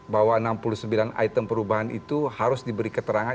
bahwa enam puluh sembilan item perubahan itu harus diberi keterangan